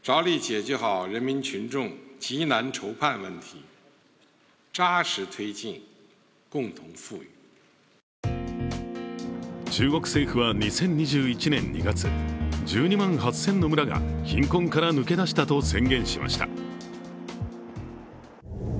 習氏と会った女性は中国政府は２０２１年２月、１２万８０００の村が貧困から抜け出したと宣言しました。